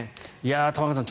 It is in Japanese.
玉川さん